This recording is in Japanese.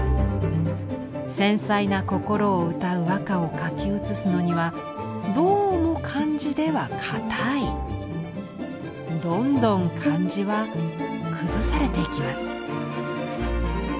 繊細な心をうたう和歌を書き写すのにはどうも漢字では硬いどんどん漢字は崩されていきます。